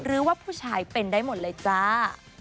หรือว่าผู้ชายเป็นได้หมดเลยจ้า